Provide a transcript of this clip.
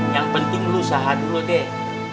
yang penting lu saha dulu deh